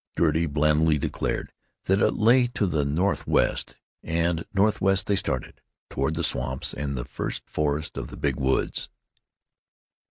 Gertie blandly declared that it lay to the northwest; and northwest they started—toward the swamps and the first forests of the Big Woods.